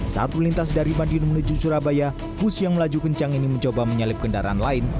saat melintas dari madiun menuju surabaya bus yang melaju kencang ini mencoba menyalip kendaraan lain